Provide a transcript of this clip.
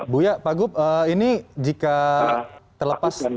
buya pak gup ini jika terlepas